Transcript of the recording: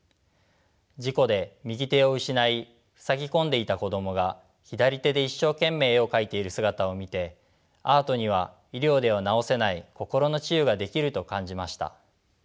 事故で右手を失いふさぎ込んでいた子供が左手で一生懸命絵を描いている姿を見てアートには医療では治せない心の治癒ができると感じました。